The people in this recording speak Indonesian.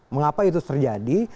mengapa itu terjadi